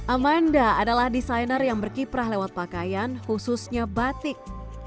amanda adalah desainer yang berkiprah lewat pakaian khususnya batik